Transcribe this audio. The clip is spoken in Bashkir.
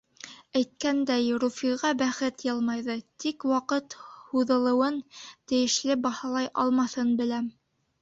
Әйткәндәй, Руфийға бәхет йылмайҙы, тик ваҡыт һуҙылыуын тейешле баһалай алмаҫын беләм.